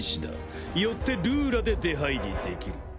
よってルーラで出入りできる。